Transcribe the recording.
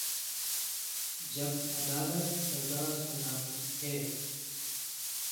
جب عدالت سزا سناتی ہے۔